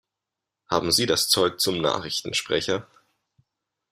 Haben Sie das Zeug zum Nachrichtensprecher?